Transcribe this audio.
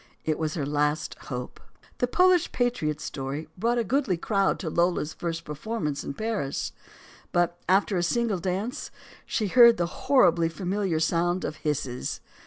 It was her last hope. The "Polish patriot" story brought a goodly crowd to Lola's first performance in Paris. But, after a single dance, she heard the horribly familiar sound of hisses.